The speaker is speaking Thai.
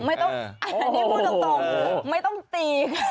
อันนี้พูดตรงไม่ต้องตีค่ะ